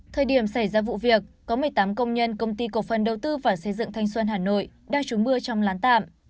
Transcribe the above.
thời điểm xảy ra vụ việc có một mươi tám công nhân công ty cổ phần đầu tư và xây dựng thanh xuân hà nội đang trú mưa trong lán tạm